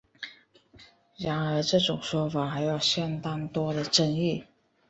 然而这种说法还有相当多的争议。